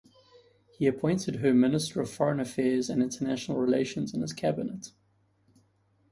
He appointed her Minister of Foreign Affairs and International Relations in his cabinet.